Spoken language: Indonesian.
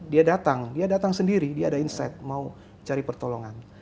dia datang dia datang sendiri dia ada insight mau cari pertolongan